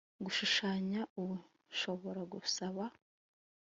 gushushanya ubu nshobora gusaba